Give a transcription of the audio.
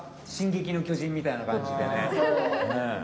『進撃の巨人』みたいな感じでね。